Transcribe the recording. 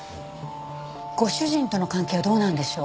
ご主人との関係はどうなんでしょう？